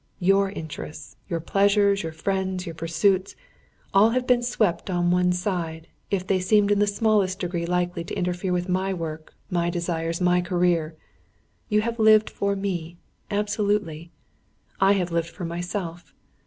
Your interests, your pleasures, your friends, your pursuits, all have been swept on one side, if they seemed in the smallest degree likely to interfere with my work, my desires, my career. You have lived for me absolutely. I have lived for myself.